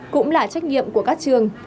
cũng là trách nhiệm của các trường